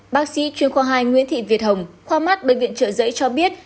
bác sĩ chuyên khoa hai nguyễn thị việt hồng khoa mắt bệnh viện trợ giấy cho biết